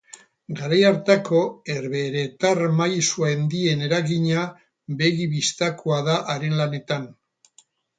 Garai hartako herbeheretar maisu handien eragina begi-bistakoa da haren lanetan.